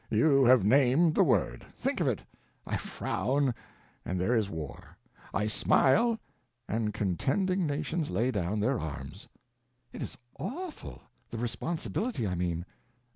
"You have named the word. Think of it. I frown, and there is war; I smile, and contending nations lay down their arms." "It is awful. The responsibility, I mean."